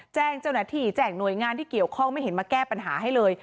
แจ้งเจ้าหน้าที่แจ้งหน่วยงานที่เกี่ยวข้องไม่เห็นมาแก้ปัญหาให้เลย